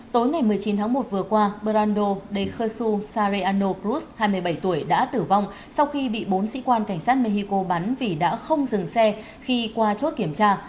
tối ngày một mươi chín tháng một vừa qua brando dekatsu sareano krus hai mươi bảy tuổi đã tử vong sau khi bị bốn sĩ quan cảnh sát mexico bắn vì đã không dừng xe khi qua chốt kiểm tra